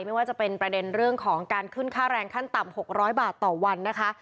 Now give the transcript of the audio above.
ไม่ว่าจะเป็นประเด็นเรื่องของการขึ้นค่าแรงขั้นต่ำ๖๐๐บาทต่อวันนะคะ